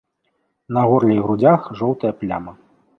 На горле і грудзях жоўтая пляма.